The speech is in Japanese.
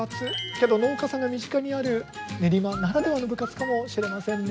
けど農家さんが身近にある練馬ならではの部活かもしれませんね。